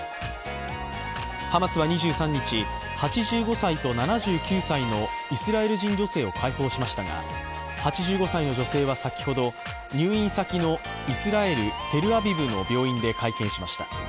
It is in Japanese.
ハマスは２３日、８５歳と７９歳のイスラエル人女性を解放しましたが８５歳の女性は先ほど入院先のイスラエル・テルアビブの病院で会見しました。